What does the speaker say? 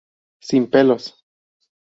Sin pelos.